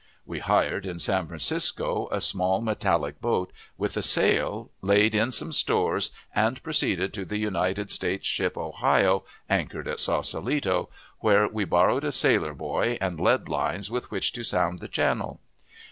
We hired, in San Francisco, a small metallic boat, with a sail, laid in some stores, and proceeded to the United States ship Ohio, anchored at Saucelito, where we borrowed a sailor boy and lead lines with which to sound the channel.